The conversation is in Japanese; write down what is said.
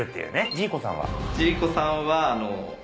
ジーコさんは先日。